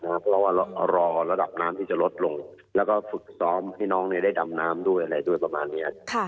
เพราะว่าเรารอระดับน้ำที่จะลดลงแล้วก็ฝึกซ้อมให้ได้ดำน้ำด้วยประมาณนี้